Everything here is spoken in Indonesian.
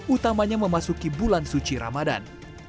utamanya memasuki bulan suci ramadan